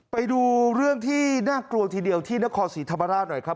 ไปดูเรื่องที่น่ากลัวทีเดียวที่นครศรีธรรมราชหน่อยครับ